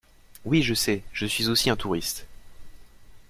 Oui je sais, je suis aussi un touriste.